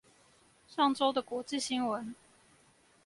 上週的國際新聞